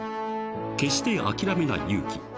［決して諦めない勇気］